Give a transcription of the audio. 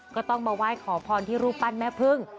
ก็ต้องมาไหว้ขอพรที่รูปปั้นแม่พึ่ง